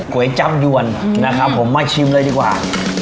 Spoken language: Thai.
๋วยจับยวนนะครับผมมาชิมเลยดีกว่า